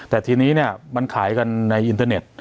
แต่ทีนี้เนี่ยมันขายกันในอินเทอร์เน็ต